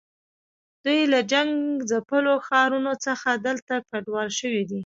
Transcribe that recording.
دوی له جنګ ځپلو ښارونو څخه دلته کډوال شوي دي.